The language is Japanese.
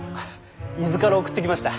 伊豆から送ってきました。